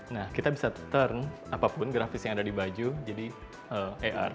nah kita bisa turn apapun grafis yang ada di baju jadi ar